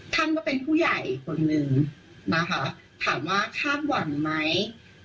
ท่านก็เป็นผู้ใหญ่อีกคนนึงนะคะถามว่าคาดหวังไหม